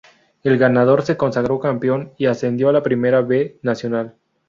El ganador se consagró campeón y ascendió a la Primera B Nacional.